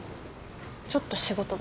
ちょっと仕事が。